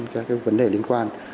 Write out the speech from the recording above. các vấn đề liên quan